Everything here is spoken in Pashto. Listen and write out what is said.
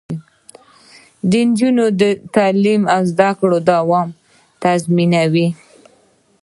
د نجونو تعلیم د زدکړو دوام تضمینوي.